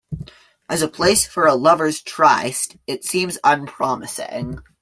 As a place for a lovers' tryst it seems unpromising.